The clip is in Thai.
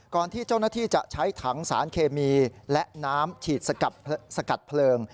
ที่เจ้าหน้าที่จะใช้ถังสารเคมีและน้ำฉีดสกัดเพลิง